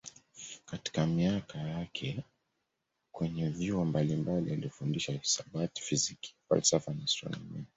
Katika miaka yake kwenye vyuo mbalimbali alifundisha hisabati, fizikia, falsafa na astronomia.